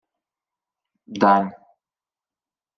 — Дань.